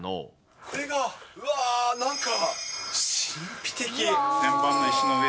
これが、なんか神秘的。